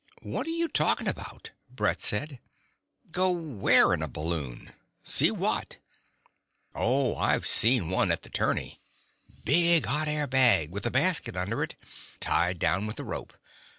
"What are you talking about?" Brett said. "Go where in a balloon? See what?" "Oh, I've seen one at the Tourney. Big hot air bag, with a basket under it. Tied down with a rope.